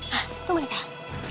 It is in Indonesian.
hah tuh mereka